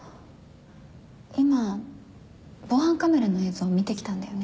今防犯カメラの映像見てきたんだよね？